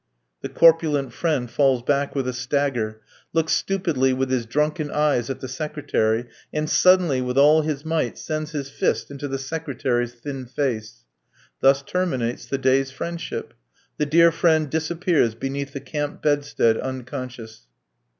The corpulent friend falls back with a stagger, looks stupidly with his drunken eyes at the secretary, and suddenly, with all his might, sends his fist into the secretary's thin face. Thus terminates the day's friendship. The dear friend disappears beneath the camp bedstead unconscious.